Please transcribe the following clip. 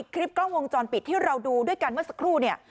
คลิปกล้องวงจรปิดที่เราดูด้วยกันเมื่อสักครู่เนี่ย